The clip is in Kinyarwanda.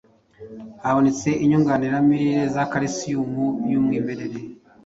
habonetse inyunganiramirire za kalisiyumu y’umwimerere